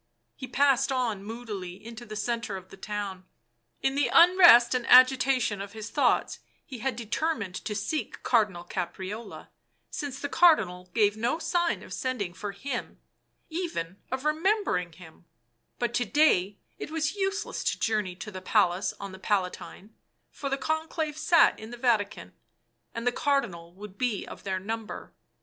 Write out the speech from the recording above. He passed on moodily into the centre of the town ; in the unrest and agitation of his thoughts he had determined to seek Cardinal Caprarola, since the Cardinal gave no sign of sending for him, even of remembering him ; but to day it was useless to journey to the Palace on the Palatine, for the Conclave sat in the Vatican, and the Cardinal would be of their number.